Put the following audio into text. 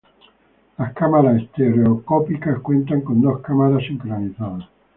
Las cámaras estereoscópicas cuentan con dos cámaras sincronizadas.